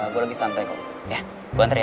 gue lagi santai kok ya gue nganter ya